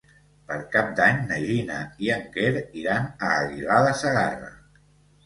Per Cap d'Any na Gina i en Quer iran a Aguilar de Segarra.